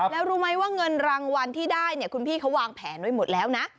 แล้วรู้ไหมว่าเงินรางวัลที่ได้เนี่ยคุณพี่เขาวางแผนไว้หมดแล้วนะ